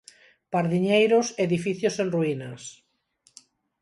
Pardiñeiros, edificios en ruínas.